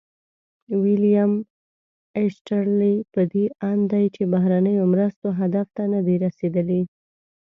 ویلیم ایسټیرلي په دې اند دی چې بهرنیو مرستو هدف ته نه دي رسیدلي.